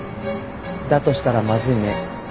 だとしたらまずいね。